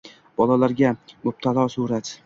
Balolarga mubtalo surat